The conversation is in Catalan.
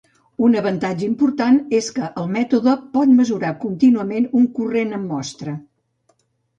Un avantatge important és que el mètode pot mesurar contínuament un corrent amb mostra.